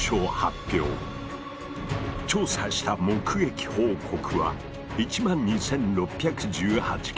調査した目撃報告は１万２，６１８件。